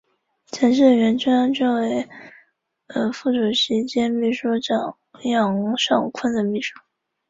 曾是原中央军委副主席兼秘书长杨尚昆的秘书。